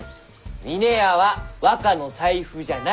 「峰屋は若の財布じゃない」。